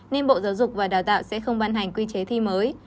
nên bộ giáo dục và đào tạo sẽ không ban hành quy chế thi mới